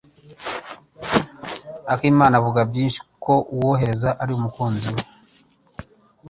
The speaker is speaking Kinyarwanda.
Akimana avuga byinshi ku wahoze ari umukunzi we.